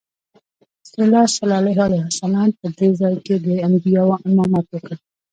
رسول الله صلی الله علیه وسلم په دې ځای کې د انبیاوو امامت وکړ.